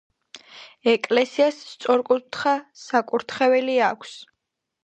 ეკლესიას სწორკუთხა საკურთხეველი აქვს.